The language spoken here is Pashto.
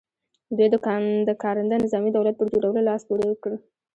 دوی د کارنده نظامي دولت پر جوړولو لاس پ ورې کړ.